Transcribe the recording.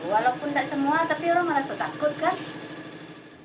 walaupun tak semua tapi orang merasa takut kan